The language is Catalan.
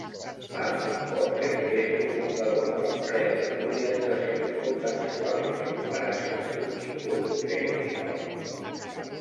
Martin Porter és cofundador de l'empresa d'orientació contextual i recomanació de continguts Grapeshot.